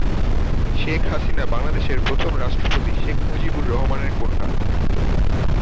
শেখ হাসিনা বাংলাদেশের প্রথম রাষ্ট্রপতি শেখ মুজিবুর রহমানের কন্যা।